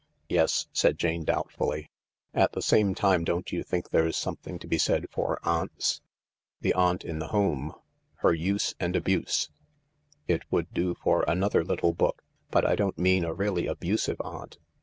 " Yes," said Jane doubtfully. " At the same time, don't you think there's something to be said for aunts ?' The Aunt in the Home ; Her Use and Abuse/ It would do for 204 THE LARK another little book. But I don't mean a really abusive aunt.